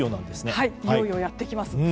いよいよやってきます。